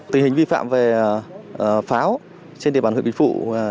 tình hình vi phạm về pháo trên địa bàn hội quý phụ